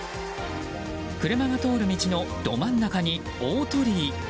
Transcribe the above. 車が通る道のど真ん中に大鳥居。